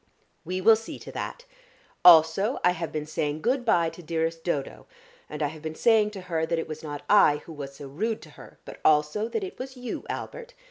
"We will see to that. Also, I have been saying good bye to dearest Dodo, and I have been saying to her that it was not I who was so rude to her, but also that it was you, Albert.